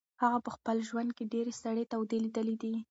هغه په خپل ژوند کې ډېرې سړې تودې لیدلې دي.